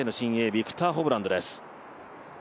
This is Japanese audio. ビクター・ホブランドです。